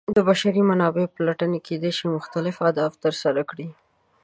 د بشري منابعو پلټنې کیدای شي مختلف اهداف ترسره کړي.